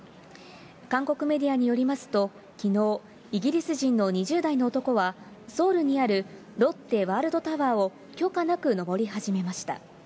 韓国メディアによりますと、きのう、イギリス人の２０代の男は、ソウルにあるロッテワールドタワーを許可なく登り始めました。